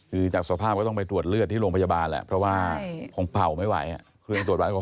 คือจากสภาพก็ต้องไปตรวจเลือดที่โรงพยาบาลและเพราะว่า๘๐๕๐๘